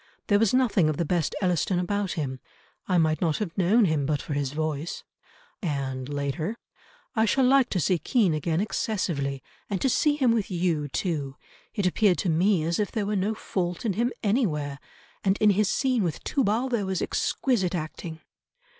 There was nothing of the best Elliston about him, I might not have known him but for his voice," and later, "I shall like to see Kean again excessively, and to see him with you too. It appeared to me as if there were no fault in him anywhere; and in his scene with Tubal there was exquisite acting."